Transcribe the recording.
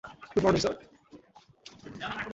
Good morning, sir.